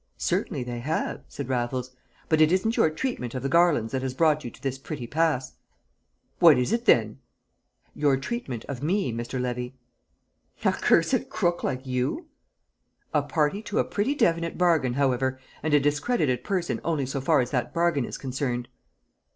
"Certainly they have," said Raffles. "But it isn't your treatment of the Garlands that has brought you to this pretty pass." "What is it, then?" "Your treatment of me, Mr. Levy." "A cursed crook like you!" "A party to a pretty definite bargain, however, and a discredited person only so far as that bargain is concerned."